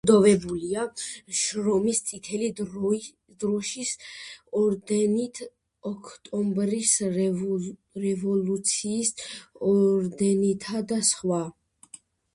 დაჯილდოებულია შრომის წითელი დროშის ორდენით, ოქტომბრის რევოლუციის ორდენითა და სხვა.